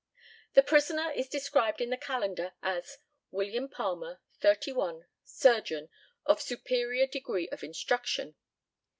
The prisoner is described in the calendar as "William Palmer, 31, surgeon, of superior degree of instruction."